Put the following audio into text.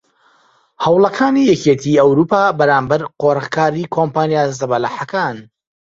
هەوڵەکاتی یەکیەتی ئەوروپا بەرامبەر قۆرغکاری کۆمپانیا زەبەلاحەکان